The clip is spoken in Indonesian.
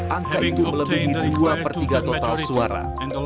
angka itu melebihi dua per tiga total suara